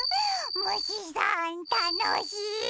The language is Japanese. むしさんたのしい！